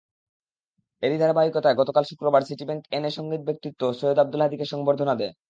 এরই ধারাবাহিকতায় গতকাল শুক্রবার সিটিব্যাংক এনএ সংগীত ব্যক্তিত্ব সৈয়দ আব্দুল হাদীকে সংবর্ধনা দেয়।